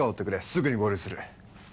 すぐに合流する。